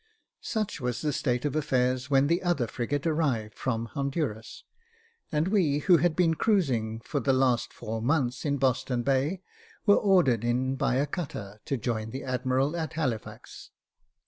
Such was the state of affairs, when the other frigate arrived from the Honduras, and we, who had been cruising for the last four months in Boston Bay, were ordered in by a cutter, to join the admiral at Halifax.